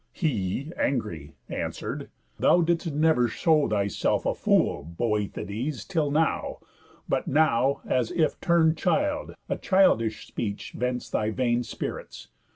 He, angry, answer'd: "Thou didst never show Thyself a fool, Boethides, till now; But now, as if turn'd child, a childish speech Vents thy vain spirits.